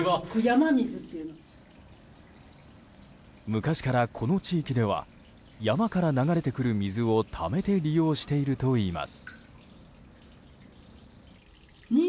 昔から、この地域では山から流れてくる水をためて利用しているといいます。